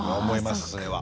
それは。